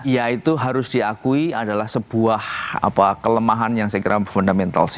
ya itu harus diakui adalah sebuah kelemahan yang saya kira fundamental